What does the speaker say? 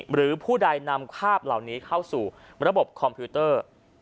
หรือผู้ใดนำภาพเหล่านี้เข้าสู่ระบบคอมพิวเตอร์